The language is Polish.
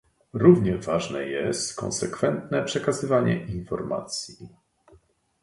równie ważne jest konsekwentne przekazywanie informacji